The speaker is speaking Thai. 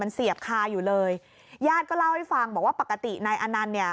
เสียบคาอยู่เลยญาติก็เล่าให้ฟังบอกว่าปกตินายอนันต์เนี่ย